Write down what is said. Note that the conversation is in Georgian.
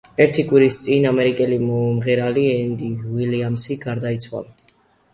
ერთი კვირის წინ, ცნობილი ამერიკელი მომღერალი ენდი უილიამსი გარდაიცვალა.